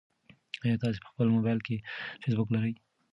ایا تاسي په خپل موبایل کې فېسبوک لرئ؟